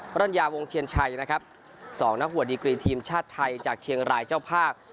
รัญญาวงเทียนชัยนะครับสองนักหัวดีกรีทีมชาติไทยจากเชียงรายเจ้าภาพ